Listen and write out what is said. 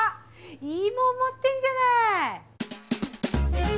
いいもん持ってんじゃない！